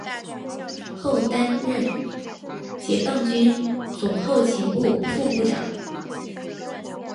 后担任解放军总后勤部副部长。